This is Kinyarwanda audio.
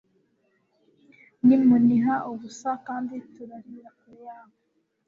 Nimuniha ubusa kandi turarira kure yabo